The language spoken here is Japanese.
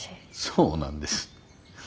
そうなんです。